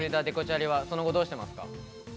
デコチャリはその後どうしてますか？